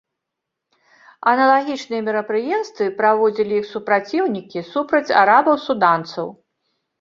Аналагічныя мерапрыемствы праводзілі іх праціўнікі супраць араба-суданцаў.